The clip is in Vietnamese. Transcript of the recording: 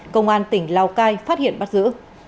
công an tỉnh lào cai phát hiện bắt giữ